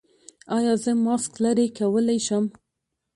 ایا زه ماسک لرې کولی شم؟